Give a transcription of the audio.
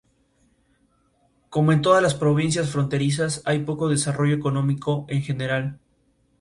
La asociación manda delegaciones dos veces por año a Pionyang.